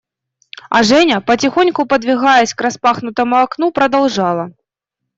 А Женя, потихоньку подвигаясь к распахнутому окну, продолжала.